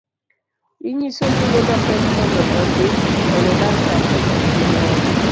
Inyiso mine mapek mondo odhi one laktar kapok ginyuol.